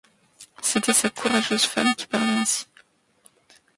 C’était sa courageuse femme qui parlait ainsi.